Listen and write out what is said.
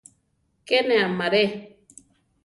Ke ne amaré.